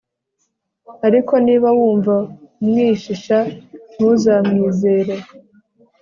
ariko niba wumva umwishisha, ntuzamwizere